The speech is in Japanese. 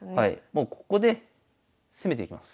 もうここで攻めていきます。